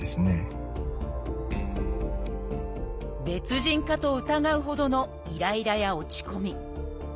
別人かと疑うほどのイライラや落ち込み。